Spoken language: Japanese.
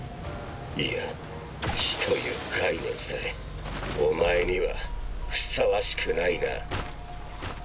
いや死という概念さえお前にはふさわしくないな。